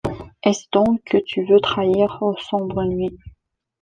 Est-ce donc que tu veux trahir, ô sombre nuit